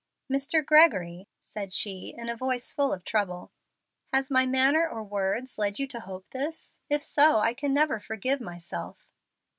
"Mr. Gregory," said she, in a voice full of trouble, "has my manner or words led you to hope this? If so, I can never forgive myself."